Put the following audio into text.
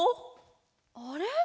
あれ？